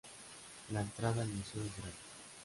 La entrada al museo es gratis.